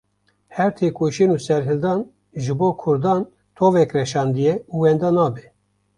Her têkoşîn û serhildan ji bo kurdan tovek reşandiye û wenda nabe.